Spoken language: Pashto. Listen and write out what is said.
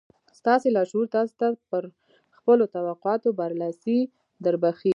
ستاسې لاشعور تاسې ته پر خپلو توقعاتو برلاسي دربښي.